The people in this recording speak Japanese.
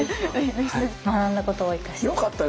学んだことを生かして！